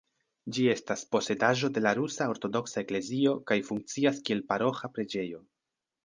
Ĝi estas posedaĵo de la Rusa Ortodoksa Eklezio kaj funkcias kiel paroĥa preĝejo.